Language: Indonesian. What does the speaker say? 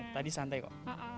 tadi santai kok